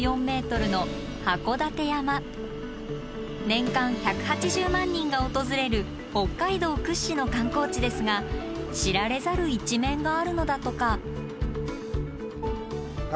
年間１８０万人が訪れる北海道屈指の観光地ですが知られざる一面があるのだとか。